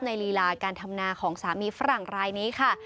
ลีลาการทำนาของสามีฝรั่งรายนี้ค่ะ